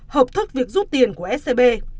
hợp thức việc rút tiền của scb